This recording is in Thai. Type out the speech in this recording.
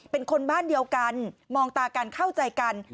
เป็นคนบ้านเดียวกันมองตากันเข้าใจกัน